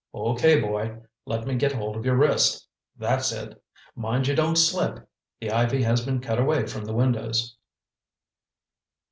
"Okay, boy. Let me get hold of your wrist—that's it. Mind you don't slip! The ivy has been cut away from the windows."